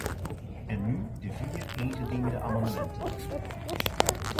En nu de vier ingediende amendementen.